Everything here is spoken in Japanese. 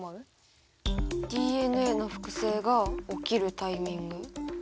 ＤＮＡの複製が起きるタイミング。